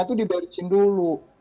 itu dibelesin dulu